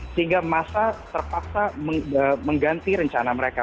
sehingga masa terpaksa mengganti rencana mereka